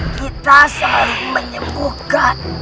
kita selalu menyembuhkan